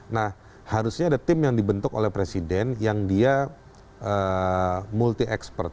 nah harusnya ada tim yang dibentuk oleh presiden yang dia multi expert